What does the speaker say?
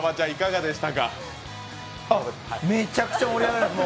めちゃくちゃ盛り上がりました。